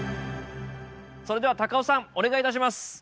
それでは高尾さんお願いいたします。